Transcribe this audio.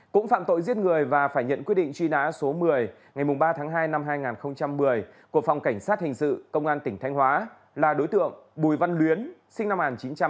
cũng phạm tội giết người và phải nhận quyết định truy nã số một mươi ngày ba tháng hai năm hai nghìn một mươi của phòng cảnh sát hình sự công an tỉnh thanh hóa là đối tượng bùi văn luyến sinh năm một nghìn chín trăm tám mươi